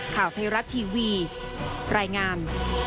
ข่าวไทยรัฐทีวีรายงาน